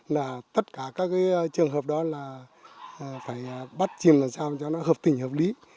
là tất cả các trường hợp đó là phải bắt chìm làm sao cho nó hợp tình hợp lý